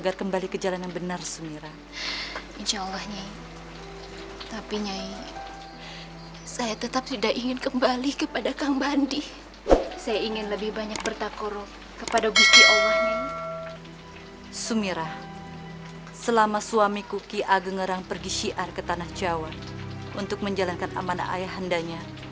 sampai jumpa di video selanjutnya